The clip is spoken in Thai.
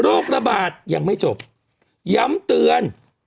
ระบาดยังไม่จบย้ำเตือน